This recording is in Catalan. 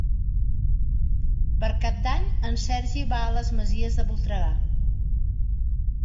Per Cap d'Any en Sergi va a les Masies de Voltregà.